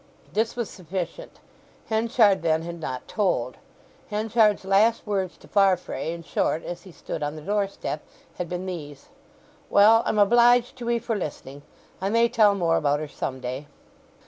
This was sufficient. Henchard, then, had not told. Henchard's last words to Farfrae, in short, as he stood on the doorstep, had been these: "Well—I'm obliged to 'ee for listening. I may tell more about her some day."